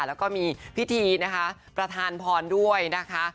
แล้วก็มีพิธีนะคะประธานพรด้วยนะคะ